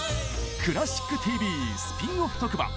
「クラシックＴＶ」スピンオフ特番！